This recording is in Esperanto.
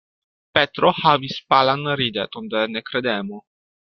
Petro havis palan rideton de nekredemo.